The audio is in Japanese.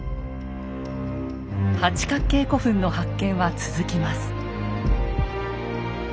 八角形古墳の発見は続きます。